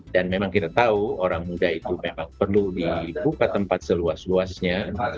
dan memang kita tahu orang muda itu memang perlu dibuka tempat seluas luasnya